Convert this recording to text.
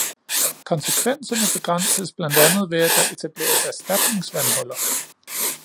Konsekvenserne begrænses blandt andet ved at der etableres erstatningsvandhuller.